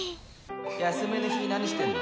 休みの日何してんの？